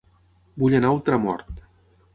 Vull anar a Ultramort